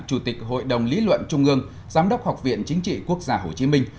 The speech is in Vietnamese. chủ tịch hội đồng lý luận trung ương giám đốc học viện chính trị quốc gia hồ chí minh